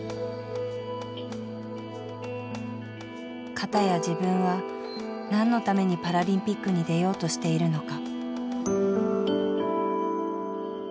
片や自分は何のためにパラリンピックに出ようとしているのか。